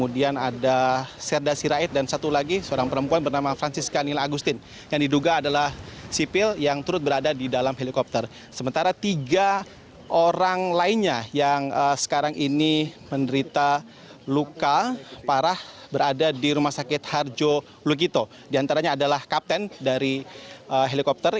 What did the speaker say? warga sejak tadi sejak tadi sore terus berkumpul di sini mencoba terus mengupdate begitu ingin tahu bagaimana kejadian ataupun perkembangan terakhir yang berkaitan dengan jatuhnya helikopter